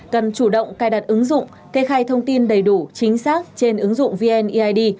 cần chủ động cài đặt ứng dụng kê khai thông tin đầy đủ chính xác trên ứng dụng vneid